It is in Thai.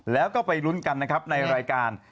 แล้วก็ไปลุ้นกันนะครับในรายการ